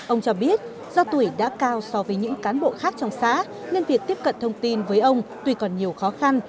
ông cho biết do tuổi đã cao so với những cán bộ khác trong xã nên việc tiếp cận thông tin với ông tuy còn nhiều khó khăn